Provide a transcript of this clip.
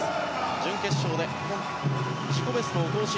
準決勝で自己ベストを更新。